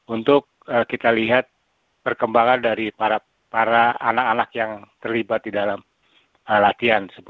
untuk kita lihat perkembangan dari para anak anak yang terlibat di dalam latihan